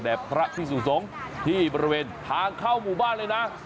พระพิสุสงฆ์ที่บริเวณทางเข้าหมู่บ้านเลยนะ